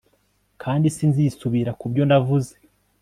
kandi sinzisubira ku byo navuze